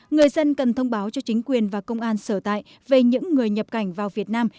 người dân cần thông báo cho chính quyền và công an sở tại về những người nhập cảnh vào việt nam